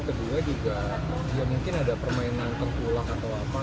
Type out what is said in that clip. kedua juga ya mungkin ada permainan tengkulak atau apa